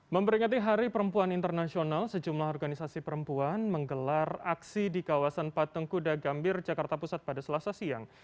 memperingati hari perempuan internasional sejumlah organisasi perempuan menggelar aksi di kawasan patung kuda gambir jakarta pusat pada selasa siang